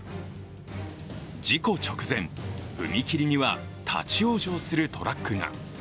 事故直前、踏切には立往生するトラックが。